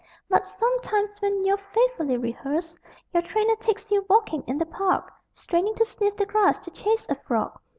But sometimes, when you've faithfully rehearsed, Your trainer takes you walking in the park, Straining to sniff the grass, to chase a frog.